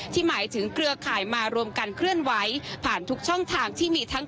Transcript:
หมายถึงเครือข่ายมารวมกันเคลื่อนไหวผ่านทุกช่องทางที่มีทั้ง